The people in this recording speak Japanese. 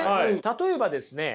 例えばですね